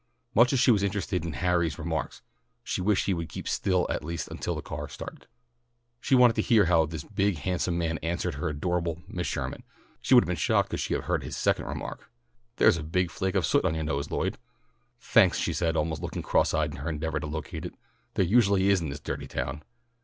Much as she was interested in "Harry's" remarks, she wished he would keep still at least until the car started. She wanted to hear how this big handsome man answered her adorable Miss Sherman. She would have been shocked could she have heard his second remark. "There's a big flake of soot on your nose, Lloyd." "Thanks," she said, almost looking cross eyed in her endeavour to locate it. "There usually is in this dirty town.